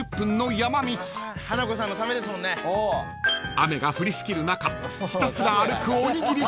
［雨が降りしきる中ひたすら歩くおにぎり君］